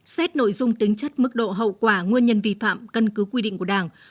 xét nội dung tính chất mức độ hậu quả nguyên nhân vi phạm cân cứ quy định của đảng